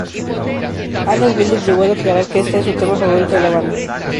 Alan Wilder llegó a declarar que este es su tema favorito de la banda.